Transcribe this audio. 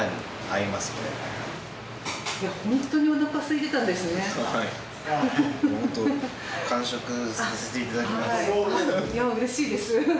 いやうれしいです。